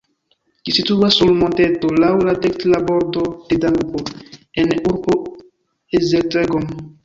Ĝi situas sur monteto laŭ la dekstra bordo de Danubo en urbo Esztergom.